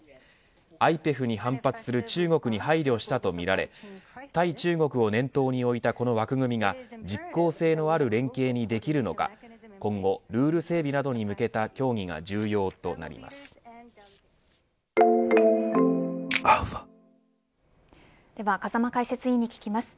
ＩＰＥＦに反発する中国に配慮したとみられ対中極を念頭に置いたこの枠組みが実効性のある連携にできるのか今後ルール整備などに向けたでは風間解説委員に聞きます。